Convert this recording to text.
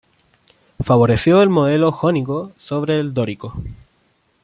Favoreció el modelo jónico sobre el dórico.